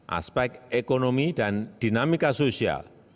aspek ekonomi dan dinamika sosial